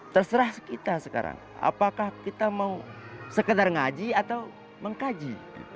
terserah kita sekarang apakah kita mau sekedar ngaji atau mengkaji